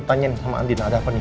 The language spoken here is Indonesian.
tanyain sama andina ada apa nih